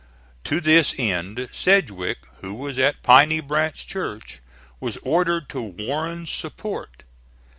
To this end Sedgwick who was at Piney Branch Church, was ordered to Warren's support.